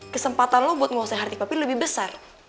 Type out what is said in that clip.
kesempatan lo buat nguasai hati papi lebih besar